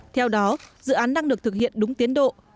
theo đó dự án đang được thực hiện đúng tiến độ